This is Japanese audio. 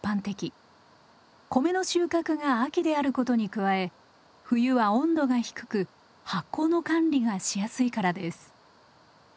米の収穫が秋であることに加え冬は温度が低く発酵の管理がしやすいからです。